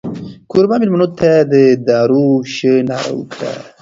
کوربه مېلمنو ته د دارو شه ناره وکړه.